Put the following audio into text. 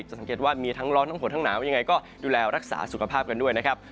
สังเกตว่ามีทั้งร้อนทั้งฝนทั้งหนาวยังไงก็ดูแลรักษาสุขภาพกันด้วยนะครับ